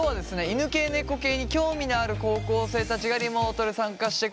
犬系・猫系に興味のある高校生たちがリモートで参加してくれてます。